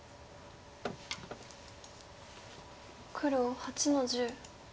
黒８の十。